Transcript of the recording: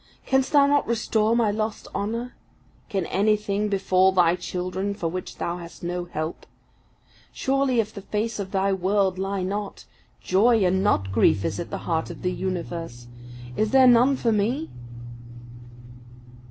Canst Thou not restore my lost honour? Can anything befall Thy children for which Thou hast no help? Surely, if the face of Thy world lie not, joy and not grief is at the heart of the universe. Is there none for me?"